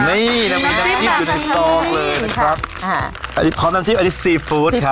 นี่น้ำจิ้มอยู่ในซองเลยนะครับพร้อมน้ำจิ้มอันนี้ซีฟู้ดครับ